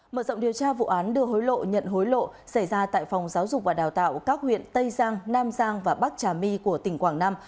mở rộng điều tra vụ án đưa hối lộ nhận hối lộ xảy ra tại phòng giáo dục và đào tạo các huyện tây giang nam giang và bắc trà my của tỉnh quảng nam